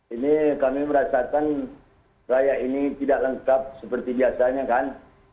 ini kami merasakan raya ini tidak lengkap seperti biasanya kan